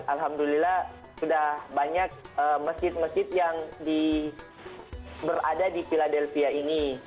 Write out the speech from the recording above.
alhamdulillah sudah banyak masjid masjid yang berada di philadelphia ini